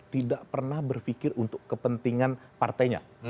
tidak pernah berpikir untuk kepentingan partainya